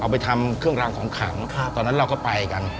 ไปทำเครื่องรางของขังตอนนั้นเราก็ไปกัน